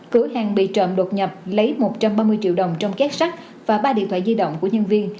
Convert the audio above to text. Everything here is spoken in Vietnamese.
cửa hàng bị trộm đột nhập lấy một trăm ba mươi triệu đồng trong gác và ba điện thoại di động của nhân viên